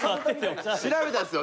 調べたんですよ